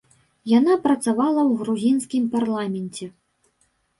Яна працавала ў грузінскім парламенце.